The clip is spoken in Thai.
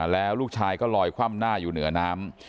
แล้วลูกชายก็ลอยคว่ำหน้าอยู่เหนือน้ำ